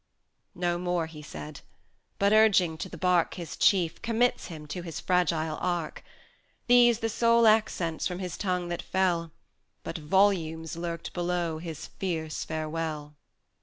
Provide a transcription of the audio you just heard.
" No more he said; but urging to the bark His Chief, commits him to his fragile ark; These the sole accents from his tongue that fell, But volumes lurked below his fierce farewell.